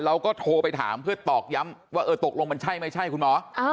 เราก็โทรไปถามเพื่อตอกย้ำว่าเออตกลงมันใช่ไม่ใช่คุณหมอ